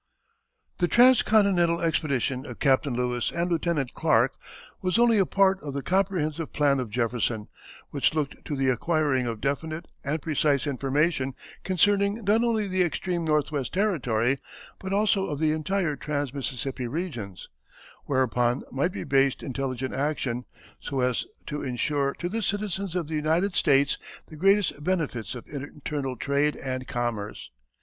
The trans continental expedition of Captain Lewis and Lieutenant Clark was only a part of the comprehensive plan of Jefferson, which looked to the acquiring of definite and precise information concerning not only the extreme Northwest Territory, but also of the entire trans Mississippi regions, whereon might be based intelligent action, so as to insure to the citizens of the United States the greatest benefits of internal trade and commerce.